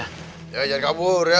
ya jangan kabur ya